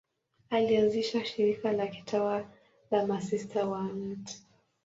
Alianzisha shirika la kitawa la Masista wa Mt.